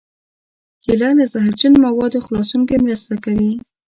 کېله له زهرجنو موادو خلاصون کې مرسته کوي.